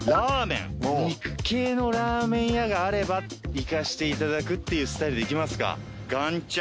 肉系のラーメン屋があればいかしていただくっていうスタイルでいきますか。